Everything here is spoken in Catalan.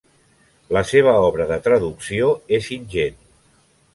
La seva obra de traducció és ingent.